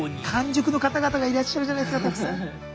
完熟の方々がいらっしゃるじゃないですかたくさん。